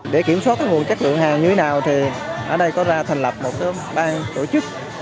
để kiểm soát nguồn chất lượng hàng như thế nào thì ở đây có ra thành lập một cái bang tổ chức